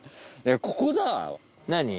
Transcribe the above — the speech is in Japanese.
ここだ。何？